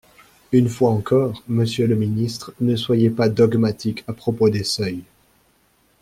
Une fois encore, monsieur le ministre, ne soyez pas dogmatique à propos des seuils.